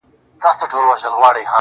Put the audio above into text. كه په رنگ باندي زه هر څومره تورېږم.